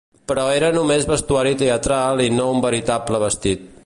Però era només vestuari teatral i no un veritable vestit.